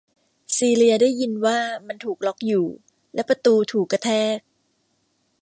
ซีเลียได้ยินว่ามันถูกล๊อคอยู่ และประตูถูกกระแทก